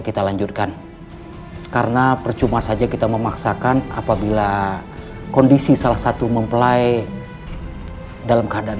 kita lanjutkan karena percuma saja kita memaksakan apabila kondisi salah satu mempelai dalam keadaan